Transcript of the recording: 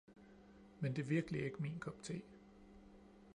Men det er virkelig ikke min kop te.